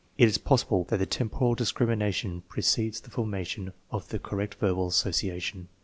It is possible that lie temporal discrimination precedes the 'formation of the correct verbal association.